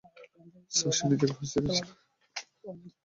Sir, সে নিজেকে ফাঁস লাগিয়েছে।